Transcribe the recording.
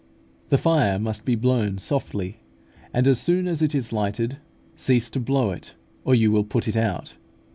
The fire must be blown softly, and as soon as it is lighted, cease to blow it, or you will put it out.